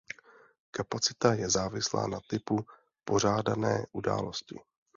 Kapacita je závislá na typu pořádané události.